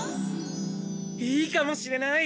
いいかもしれない！